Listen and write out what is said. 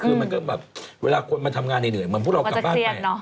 คือมันก็แบบเวลาคนมาทำงานเหนื่อยเหมือนพวกเรากลับบ้านไป